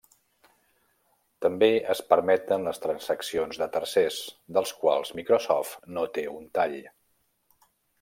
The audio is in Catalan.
També es permeten les transaccions de tercers, dels quals Microsoft no té un tall.